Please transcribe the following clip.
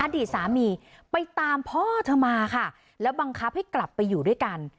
อดีตสามีไปตามพ่อเธอมาค่ะแล้วบังคับให้กลับไปอยู่ด้วยกัน